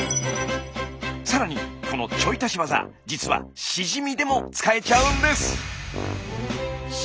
更にこのちょい足しワザ実はシジミでも使えちゃうんです！